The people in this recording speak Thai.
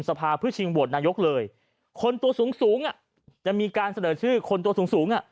สภาพของผู้ชิงโวดนายกเลยคนตัวสูงอ่ะจะมีการเสนอชื่อคนตัวสูง